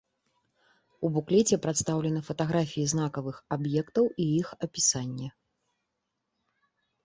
У буклеце прадстаўлены фатаграфіі знакавых аб'ектаў і іх апісанне.